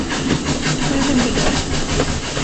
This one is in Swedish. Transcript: När hände det?